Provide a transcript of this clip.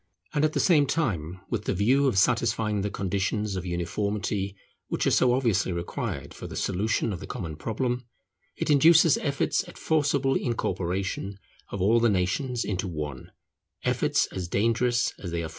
And at the same time, with the view of satisfying the conditions of uniformity which are so obviously required for the solution of the common problem, it induces efforts at forcible incorporation of all the nations into one, efforts as dangerous as they are fruitless.